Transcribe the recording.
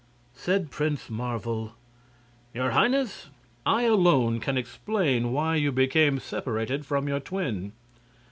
Said Prince Marvel: "Your Highness, I alone can explain why you became separated from your twin.